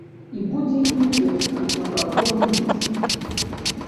І будзе ім кепска на працоўным месцы.